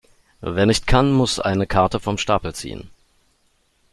Wer nicht kann, muss eine Karte vom Stapel ziehen.